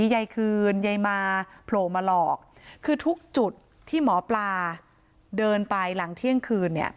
ยายคืนยายมาโผล่มาหลอกคือทุกจุดที่หมอปลาเดินไปหลังเที่ยงคืนเนี่ย